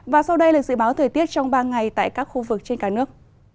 và sau đây là dự báo thời tiết trong ba ngày tại các khu vực trên cả nước